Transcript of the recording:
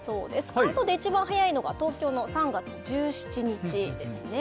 関東で一番早いのが東京の３月１７日ですね。